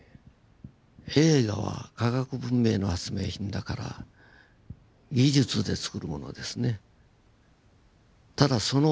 映画は科学文明の発明品だから技術でつくるものですね。